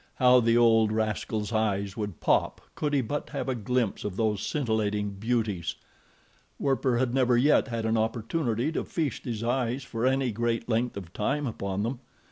How the old rascal's eyes would pop could he but have a glimpse of those scintillating beauties! Werper had never yet had an opportunity to feast his eyes for any great length of time upon them.